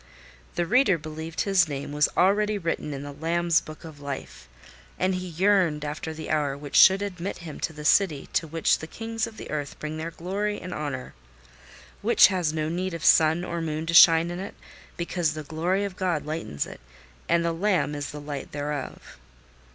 The reader believed his name was already written in the Lamb's book of life, and he yearned after the hour which should admit him to the city to which the kings of the earth bring their glory and honour; which has no need of sun or moon to shine in it, because the glory of God lightens it, and the Lamb is the light thereof.